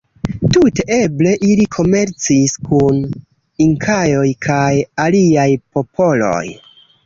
Tute eble ili komercis kun Inkaoj kaj aliaj popoloj.